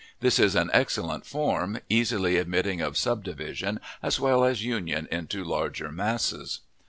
This is an excellent form, easily admitting of subdivision as well as union into larger masses.